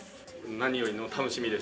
何よりの楽しみでした。